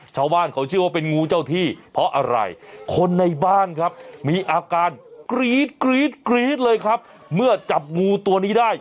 ชาวบ้านเขาเชื่อว่าเป็นงูเจ้าที่เพราะอะไรคนในบ้านครับมีอาการกรี๊ดกรี๊ดกรี๊ดเลยครับเมื่อจับงูตัวนี้ได้